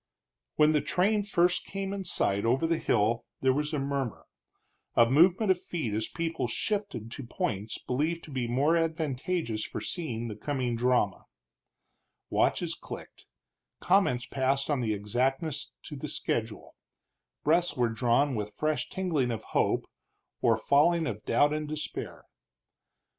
When the train first came in sight over the hill there was a murmur, a movement of feet as people shifted to points believed to be more advantageous for seeing the coming drama; watches clicked, comments passed on the exactness to the schedule; breaths were drawn with fresh tingling of hope, or falling of doubt and despair.